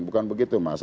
bukan begitu mas